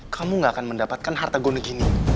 kamu gak akan mendapatkan harta gono gini